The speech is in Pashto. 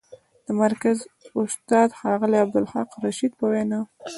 د مرکز استاد، ښاغلي عبدالخالق رشید په وینا: